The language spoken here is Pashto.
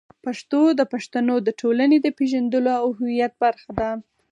پښتو د پښتنو د ټولنې د پېژندلو او هویت برخه ده.